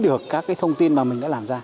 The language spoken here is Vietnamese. được các cái thông tin mà mình đã làm ra